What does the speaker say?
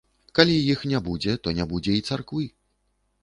Калі іх не будзе, то не будзе і царквы.